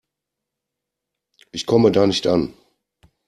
Ich komme da nicht an.